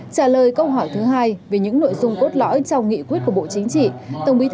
trả lời câu hỏi thứ hai về những nội dung cốt lõi trong nghị quyết của bộ chính trị